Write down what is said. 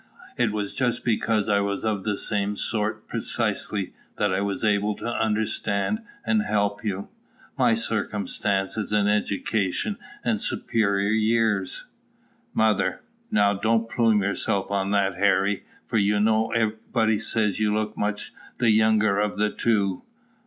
It was just because I was of the same sort precisely that I was able to understand and help you. My circumstances and education and superior years Mother. Now, don't plume yourself on that, Harry; for you know everybody says you look much the younger of the two.